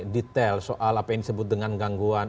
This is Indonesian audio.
detail soal apa yang disebut dengan gangguan